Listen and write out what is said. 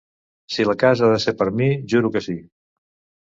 Si la casa ha de ser per mi, juro que sí.